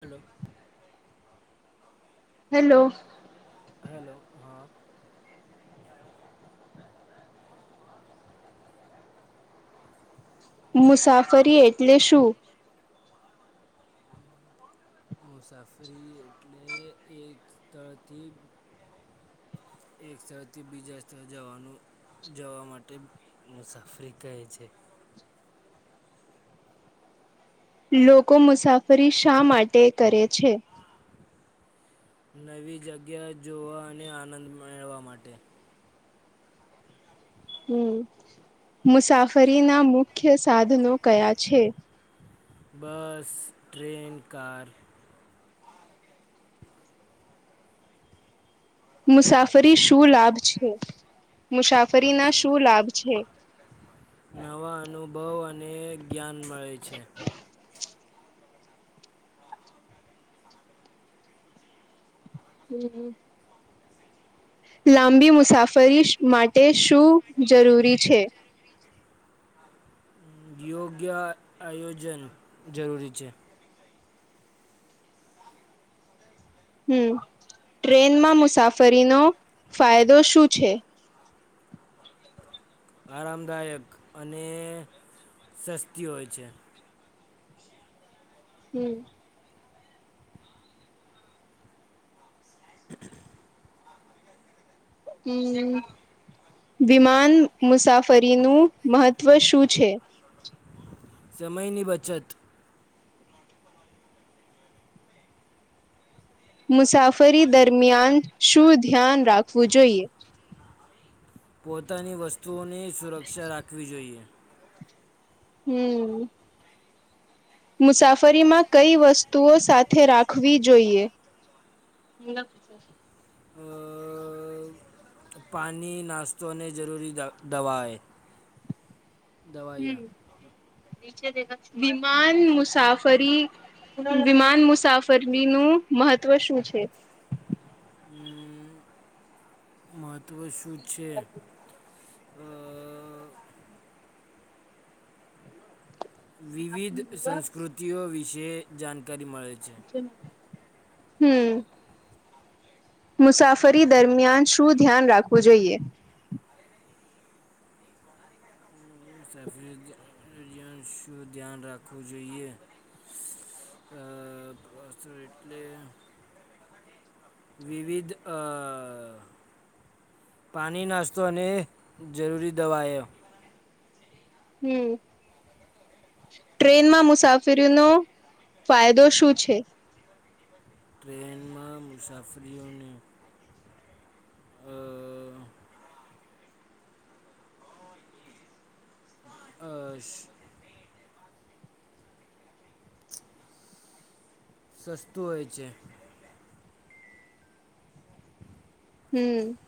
Hello. Hello hello હા મુસાફરી એટલે શું મુસાફરી એટલે એક સ્થળથી એક સ્થળથી બીજા સ્થળ જવાનું જવા માટે મુસાફરી કહે છે. લોકો મુસાફરી શા માટે કરે છે. નવી જગ્યા જોવા અને આનંદ મેળવવા માટે હમ મુસાફરીના મુખ્ય સાધનો કયા છે. બસ ટ્રેન કાર મુસાફરી શું લાભ છે મુસાફરી ના શું લાભ છે. નવા અનુભવ અને જ્ઞાન મળે છે. હમ હમ. લાંબી મુસાફરી માટે શું જરૂરી છે. યોગ્ય આયોજન જરૂરી છે. હમ ટ્રેનમાં મુસાફરીનો ફાયદો શું છે. આરામદાયક અને સસ્તી હોય છે. હમ. વિમાન મુસાફરીનું મહત્ત્વ શું છે? સમય ની બચત. મુસાફરી દરમિયાન શું ધ્યાન રાખવું જોઈએ? પોતાની વસ્તુઓની સુરક્ષા રાખવી જોઈએ. હમ. મુસાફરીમાં કઈ વસ્તુઓ સાથે રાખવી જોઈએ? ન અ. પાણી, નાસ્તોને જરૂરી દવાએ. દવાયા હમ. વિમાન મુસાફરી વિમાન મુસાફરી નું મહત્વ શું છે? હમ, મહત્ત્વ શું છે? વિવિધ સંસ્કૃતિઓ વિશે જાણકારી મળે છે. હમ. મુસાફરી દરમિયાન શું ધ્યાન રાખવું જોઈએ? સફરીન શું ધ્યાન રાખવું જોઈએ? અ અત એટલે, વિવિધ અ.... પાણી નાસ્તો અને જરૂરી દવાઓ. હમ. ટ્રેનમાં મુસાફરીનો ફાયદો શું છે? ટ્રેનમાં મુસાફરીઓને. અ અ અશ સસ્તું હોય છે. હમ.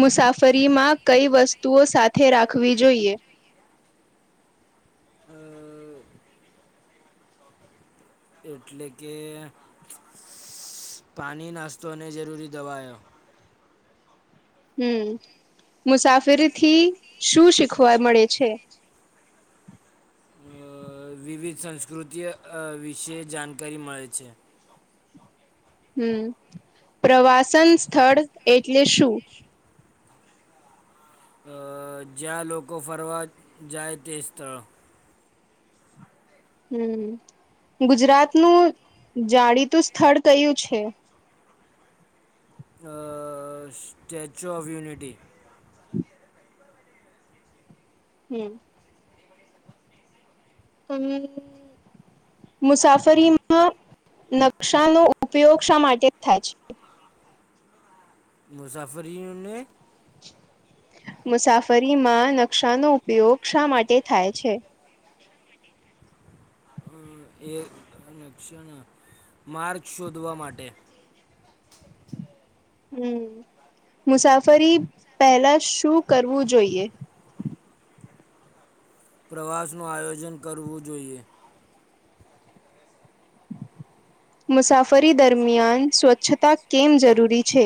મુસાફરીમાં કઈ વસ્તુઓ સાથે રાખવી જોઈએ? અ એટલે કે, પાણી નાસ્તો અને જરૂરી દવાયો. હમ, મુસાફરી થી શું શીખવા મળે છે? અ વિવિધ સંસ્કૃતિ વિશે જાણકારી મળે છે. હમ, પ્રવાસન સ્થળ એટલે શું? અ જ્યાં લોકો ફરવા જાય તે સ્થળો. હમ, ગુજરાતનું જાણીતું સ્થળ કયું છે? અ સ્ટેચ્યુ ઓફ યુનિટી. હમ. [unintelligible] મુસાફરીમાં નકશાનો ઉપયોગ શા માટે થાય છે? મુસાફરીઓને મુસાફરીમાં નકશાનો ઉપયોગ શા માટે થાય છે? એ નકશા ના માર્ગ શોધવા માટે. હમ, મુસાફરી પહેલા શું કરવું જોઈએ? પ્રવાસનું આયોજન કરવું જોઈએ. મુસાફરી દરમિયાન સ્વચ્છતા કેમ જરૂરી છે?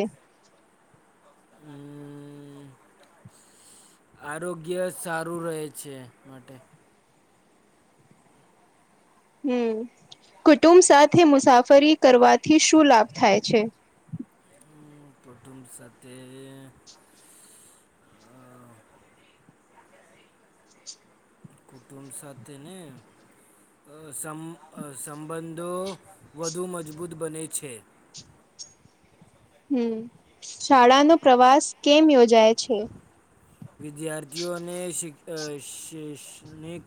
આરોગ્ય સારું રહે છે માટે. હમ, કુટુંબ સાથે મુસાફરી કરવાથી શું લાભ થાય છે? કુટુંબ સાથે અ કુટુંબ સાથે ને અ સંબંધો વધુ મજબૂત બને છે. હમ શાળાનો પ્રવાસ કેમ યોજાય છે? વિદ્યાર્થીઓને શિક શૈક્ષણિક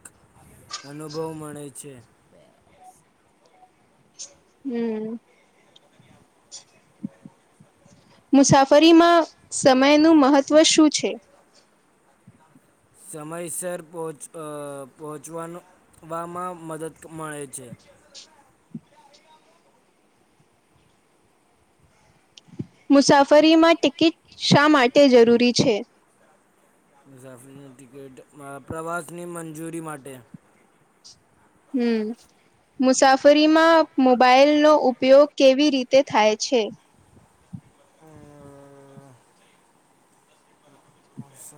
અનુભવ મળે છે. હમ. મુસાફરીમાં સમયનું મહત્ત્વ શું છે. સમય સર પહોંચ પહોંચવામાં મદદ મળે છે. મુસાફરીમાં ટિકિટ શા માટે જરૂરી છે. મુસાાફરીની ટિકિટ પ્રવાસની મંજૂરી માટે. હમ. મુસાફરીમાં મોબાઈલનો ઉપયોગ કેવી રીતે થાય છે? આ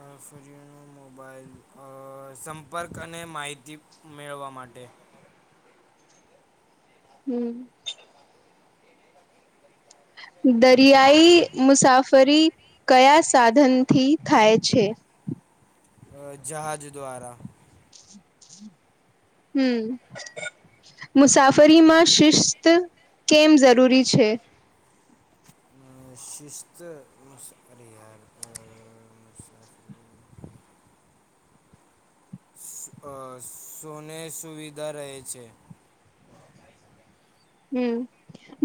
મુસાફરીનો મોબાઈલ સંપર્ક અને માહિતી મેળવવા માટે. હમ. દરિયાઈ મુસાફરી કયા સાધનથી થાય છે? અ જહાજ દ્વારા. હમ. મુસાફરીમાં શિસ્ત કેમ જરૂરી છે? અ શિસ્ત સોરી યાર મુસાફરી અ સોને સુવિધા રહે છે. હમ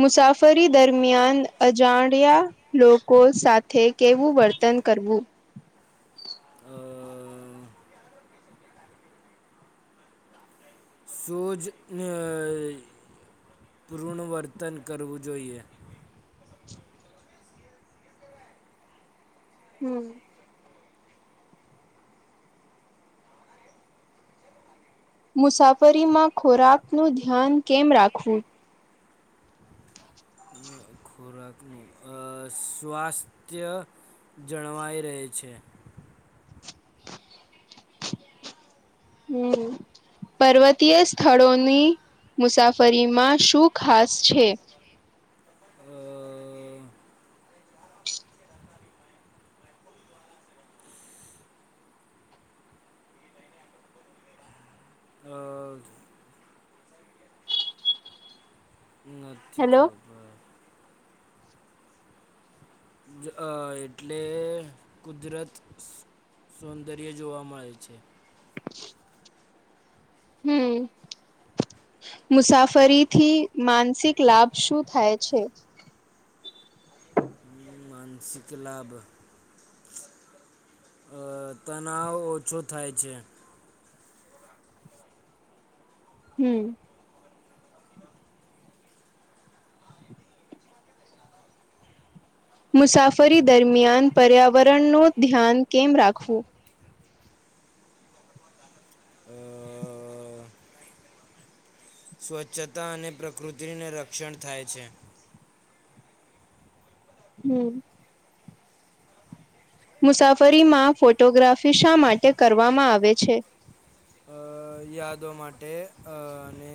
મુસાફરી દરમિયાન અજાણ્યા લોકો સાથે કેવું વર્તન કરવું. અ સૂઝ ને પુનરવર્તન કરવું જોઈએ. હમ. મુસાફરીમાં ખોરાકનું ધ્યાન કેમ રાખવુ. હ ખોરાકનું અસ. સ્વાસ્થ્ય જળવાઈ રહે છે. હમ. પર્વતીય સ્થળોની મુસાફરીમાં શું ખાસ છે. અ અ નથી હેલો ખબર. જ અ એટલે કુદરત સૌંદર્ય જોવા મળે છે. હમ. મુસાફરી થી માનસિક લાભ શું થાય છે. હમ, માનસિક લાભ અ તનાવ ઓછો થાય છે. હમ. મુસાફરી દરમિયાન પર્યાવરણનું ધ્યાન કેમ રાખવું. અ. સ્વચ્છતા અને પ્રકૃતિને રક્ષણ થાય છે. હમ. મુસાફરીમાં ફોટોગ્રાફી શા માટે કરવામાં આવે છે. અ યાદો માટે અને.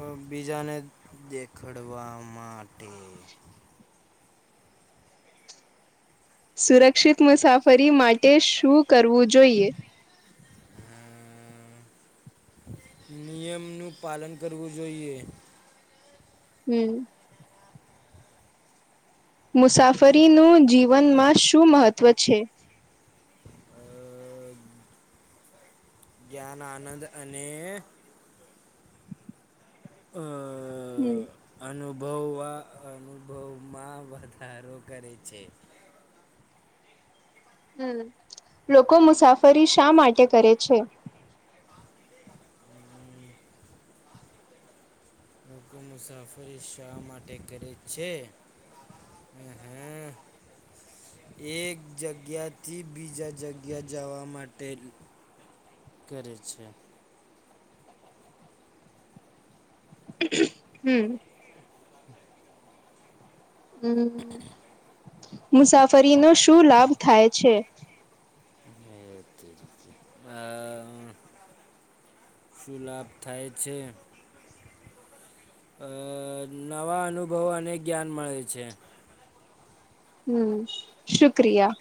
અ બીજાને દેખડવા માટે. સુરક્ષિત મુસાફરી માટે શું કરવું જોઈએ. અમ, નિયમનું પાલન કરવું જોઈએ. હમ. મુસાફરીનું જીવનમાં શું મહત્ત્વ છે. અ જ્ઞાન આનંદ અને અ. હમ. અનુભવ અનુભવમાં વધારો કરે છે. હમ લોકો મુસાફરી શા માટે કરે છે. લોકો મુસાફરી શા માટે કરે છે અ હ. એક જગ્યાથી બીજા જગ્યા જાવા માટે. કરે છે. હ હમ. હમ મુસાફરીનો શું લાભ થાય છે. હે તેરી કે. આ. શું લાભ થાય છે. અ નવા અનુભવો અને જ્ઞાન મળે છે. હમ શુક્રિયા.